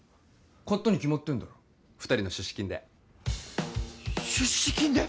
買ったに決まってんだろ二人の出資金で出資金で？